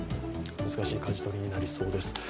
難しいかじ取りになりそうです。